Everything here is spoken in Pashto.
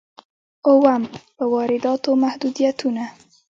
اووم: په وارداتو محدودیتونه.